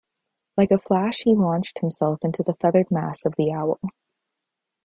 Like a flash he launched himself into the feathered mass of the owl.